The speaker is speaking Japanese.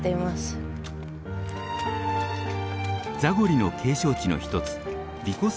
ザゴリの景勝地の一つヴィコス